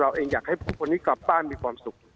เองอยากให้ผู้คนนี้กลับบ้านมีความสุข